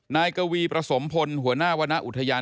นายกวีประสมพลหัวหน้าวรรณอุทยาน